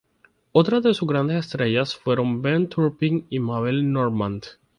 Otras de sus grandes estrellas fueron Ben Turpin y Mabel Normand.